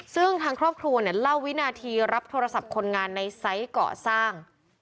ซึ่งทางครอบครัวเนี่ยเล่าวินาทีรับโทรศัพท์คนงานในไซส์ก่อสร้าง